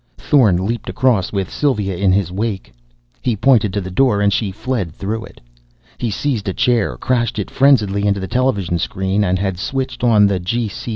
Thorn leaped across with Sylva in his wake. He pointed to the door, and she fled through it. He seized a chair, crashed it frenziedly into the television screen, and had switched on the G.